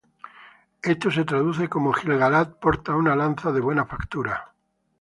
Esto se traduce como:""Gil-galad porta una lanza de buena factura.